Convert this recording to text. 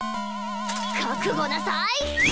覚悟なさい！